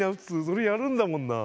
それやるんだもんな。